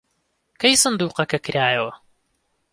کەی سندووقەکە کرایەوە؟